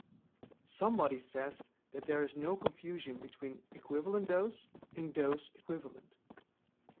Somebody says that There is no confusion between "equivalent dose" and "dose equivalent".